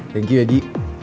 thank you lagi